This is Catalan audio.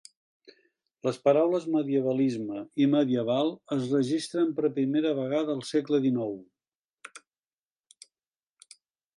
Les paraules "medievalisme" i "medieval" es registren per primera vegada al segle XIX.